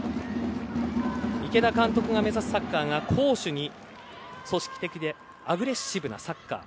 池田監督が目指すサッカーが攻守に組織的でアグレッシブなサッカー。